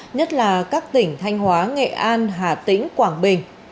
nhất là các tỉnh thanh hóa nghệ an hà tĩnh quảng bình